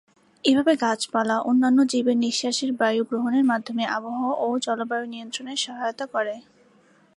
এভাবে গাছপালা অন্যান্য জীবের নিঃশ্বাসের বায়ু গ্রহণের মাধ্যমে আবহাওয়া ও জলবায়ু নিয়ন্ত্রণে সহায়তা করে।